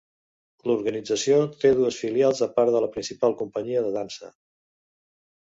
L'organització té dues filials a part de la principal companyia de dansa.